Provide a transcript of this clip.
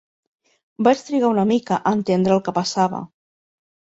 Vaig trigar una mica a entendre el que passava